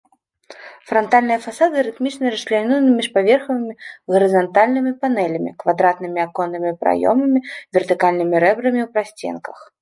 Франтальныя фасады рытмічна расчлянёны міжпаверхавымі гарызантальнымі панелямі, квадратнымі аконнымі праёмамі, вертыкальнымі рэбрамі ў прасценках.